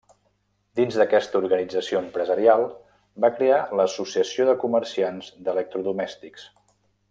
Dins d'aquesta organització empresarial va crear l'Associació de Comerciants d'Electrodomèstics.